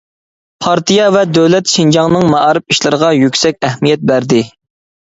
پارتىيە ۋە دۆلەت شىنجاڭنىڭ مائارىپ ئىشلىرىغا يۈكسەك ئەھمىيەت بەردى.